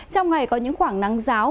trong ngày có những khoảng nắng ráo